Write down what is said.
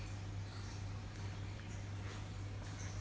กลับมาร้อยเท้า